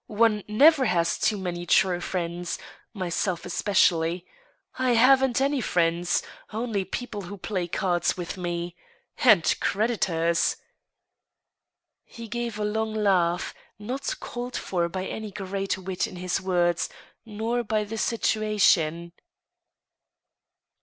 One never has too many true friends, ... myself especially. I haven't any friends, ... only people who play cards with me ... and creditors." He gave a long laugh, not called for by any great wit in his isrcffds, nor fay the situation.